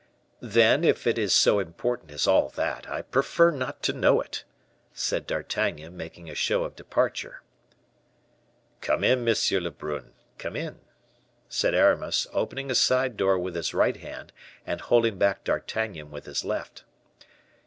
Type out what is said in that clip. "Then, if it is so important as all that, I prefer not to know it," said D'Artagnan, making a show of departure. "Come in, M. Lebrun, come in," said Aramis, opening a side door with his right hand, and holding back D'Artagnan with his left.